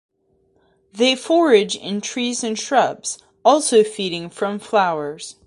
They forage in trees and shrubs, also feeding from flowers.